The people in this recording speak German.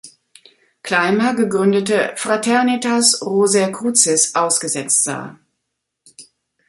Clymer gegründete "Fraternitas Rosae Crucis" ausgesetzt sah.